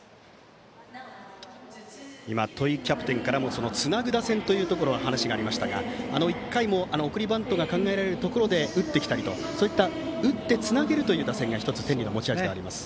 今、戸井キャプテンからもつなぐ打線という話がありましたが１回も送りバントが考えられるところで打ってきたりと打ってつなぐ打線が１つ天理の持ち味です。